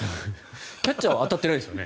キャッチャーは当たってないですよね？